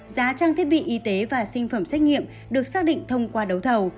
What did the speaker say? giá trang thiết bị y tế và sinh phẩm xét nghiệm được xác định thông qua đấu thầu